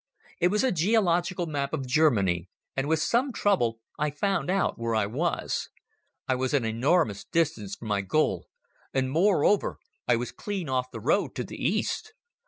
It was a geological map of Germany, and with some trouble I found out where I was. I was an enormous distance from my goal and moreover I was clean off the road to the East.